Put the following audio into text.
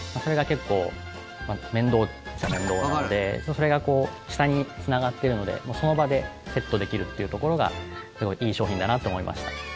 それが下につながっているのでその場でセットできるっていうところがすごくいい商品だなって思いました。